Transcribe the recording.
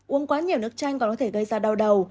uống quá nhiều nước chanh còn có thể gây ra đau đầu